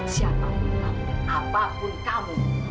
kamu dan apapun kamu